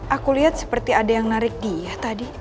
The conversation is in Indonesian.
aku lihat seperti ada yang narik dia tadi